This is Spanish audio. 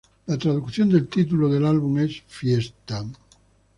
La traducción del título del álbum es "fiesta".